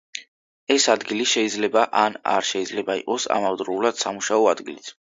ეს ადგილი, შეიძლება ან არ შეიძლება იყოს ამავდროულად სამუშაო ადგილიც.